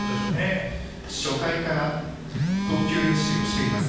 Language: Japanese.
前田は初回から投球練習をしています。